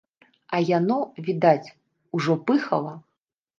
А яно, відаць, ужо пыхала.